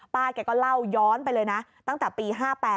แกก็เล่าย้อนไปเลยนะตั้งแต่ปี๕๘